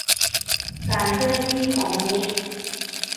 การเคลื่อนที่ของมนุษย์